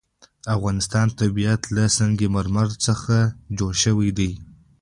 د افغانستان طبیعت له سنگ مرمر څخه جوړ شوی دی.